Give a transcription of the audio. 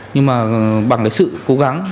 nhưng mà bằng sự cố gắng